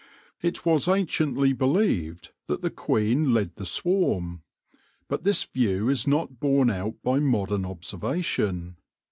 It was anciently believed that the queen led the swarm, but this view is not borne out by modern observation.